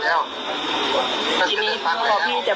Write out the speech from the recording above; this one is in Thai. แต่หนูจะเอากับน้องเขามาแต่ว่า